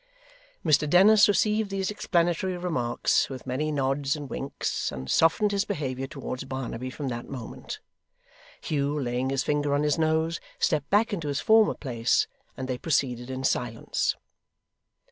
Mr Dennis received these explanatory remarks with many nods and winks, and softened his behaviour towards Barnaby from that moment. Hugh, laying his finger on his nose, stepped back into his former place, and they proceeded in silence.